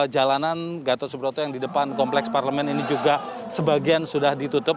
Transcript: jalanan gatot subroto yang di depan kompleks parlemen ini juga sebagian sudah ditutup